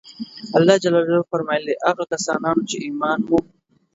الله جل جلاله فرمایلي دي: اې هغه کسانو چې ایمان مو